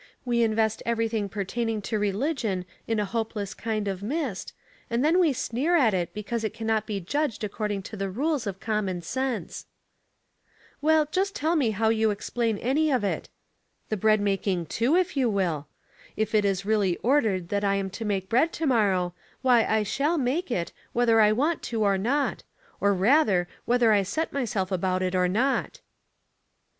We invest everything pertaining to religion in a hopeless kind of mist, and then we sneer at it because it can not be judged according to the rules of common sense." '* Well, just tell me how you explain any of Theology in the Kitchen, 317 it — the bread making, too, if 3^ou will. If it is really ordered that I am to make bread to morrow, why, I shall make it, whether I want to or not, or, rather, whether 1 set myself about it or not."